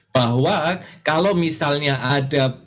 bahwa kalau misalnya ada